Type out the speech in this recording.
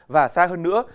và xa hơn nữa